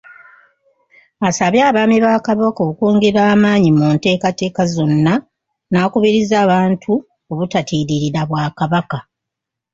Asabye abaami ba Kabaka okwongera amaanyi mu nteekateeka zonna n’akubiriza abantu obutatiirira Bwakabaka.